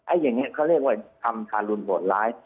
อย่างนี้เขาเรียกว่าทำทารุณโหดร้าย